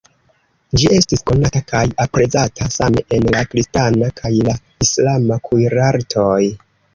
Ĝi estis konata kaj aprezata same en la kristana kaj la islama kuirartoj.